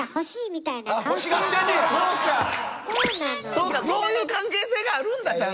そうかそういう関係性があるんだちゃんと。